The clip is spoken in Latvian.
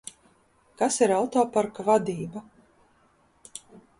Kas ir autoparka vadība?